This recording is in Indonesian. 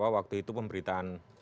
waktu itu pemberitaan